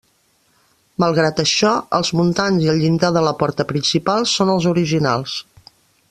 Malgrat això, els muntants i el llindar de la porta principal són els originals.